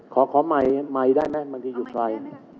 ขออธิบายเจิญครับ